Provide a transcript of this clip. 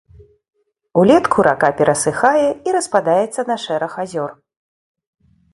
Улетку рака перасыхае і распадаецца на шэраг азёр.